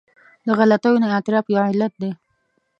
د غلطیو نه اعتراف یو علت دی.